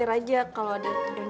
semuanya orang orang country